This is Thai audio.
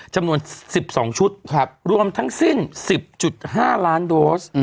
จำนวน๑๒ชุดรวมทั้งสิ้น๑๐๕ล้านโดส